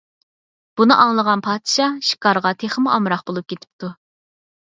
بۇنى ئاڭلىغان پادىشاھ شىكارغا تېخىمۇ ئامراق بولۇپ كېتىپتۇ.